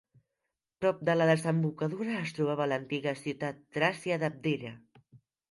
Prop de la desembocadura es trobava l'antiga ciutat tràcia d'Abdera.